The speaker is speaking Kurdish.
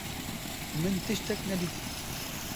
Min tiştek nedît.